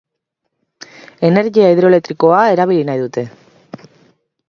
Energia hidroeletrikoa erabili nahi dute.